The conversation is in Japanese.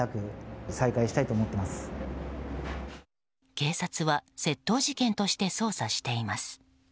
警察は窃盗事件として捜査しています。